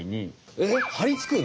えっはりつくの！？